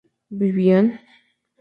¿vivían?